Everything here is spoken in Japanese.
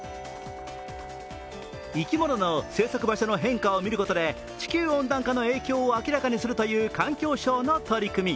生き物の生息場所の変化を見ることで地球温暖化の影響を明らかにするという環境省の取り組み。